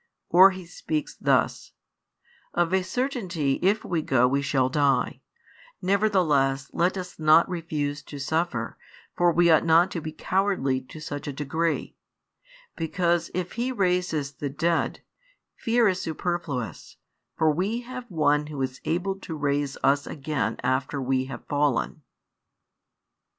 Or he speaks thus: Of a certainty if we go we shall die: nevertheless let us not refuse to suffer, for we ought not to be cowardly to such a degree; because if He raises the dead, fear is superfluous, for we have One Who is able to raise us again after we have fallen.